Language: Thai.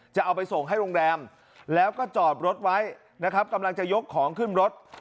จะเอาไปส่งให้โรงแรมแล้วก็จอดรถไว้นะครับกำลังจะยกของขึ้นรถ